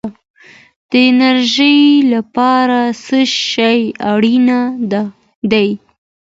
د انرژۍ لپاره څه شی اړین دی؟